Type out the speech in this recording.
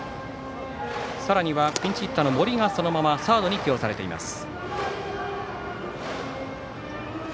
さらには、ピンチヒッターの森がそのままサードに起用されています。